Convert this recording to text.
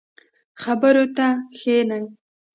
خبرو ته کښیني.